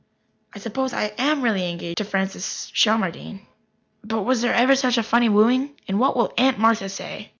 I suppose I am really engaged to Francis Shelmardine. But was there ever such a funny wooing? And what will Aunt Martha say?